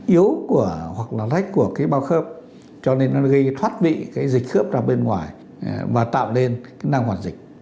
yếu của hoặc là rách của cái bào khớp cho nên nó gây thoát vị cái dịch khớp ra bên ngoài và tạo nên cái năng hoạt dịch